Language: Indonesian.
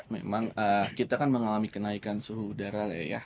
memang kita kan mengalami kenaikan suhu udara ya